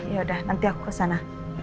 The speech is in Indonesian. ya udah nanti aku kesana